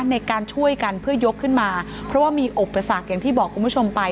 ในการช่วยกันเพื่อยกขึ้นมาเพราะว่ามีอุปสรรคอย่างที่บอกคุณผู้ชมไป